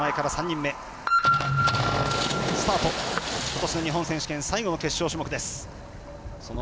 ことしの日本選手権最後の決勝種目です。